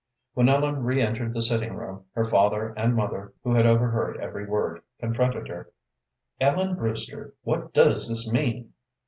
When Ellen re entered the sitting room her father and mother, who had overheard every word, confronted her. "Ellen Brewster, what does this mean?"